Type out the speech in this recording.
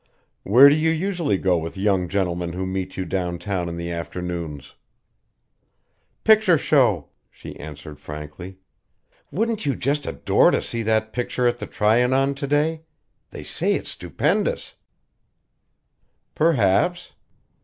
"Where do you usually go with young gentlemen who meet you down town in the afternoons?" "Picture show," she answered frankly. "Wouldn't you just adore to see that picture at the Trianon to day? They say it's stupendous!" "Perhaps."